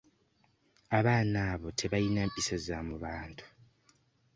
Abaana abo tebayina mpisa za mu bantu.